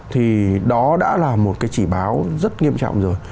thì đó đã là một cái chỉ báo rất nghiêm trọng rồi